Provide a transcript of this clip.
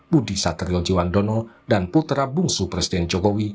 budi satriojiwandono dan putra bungsu presiden jokowi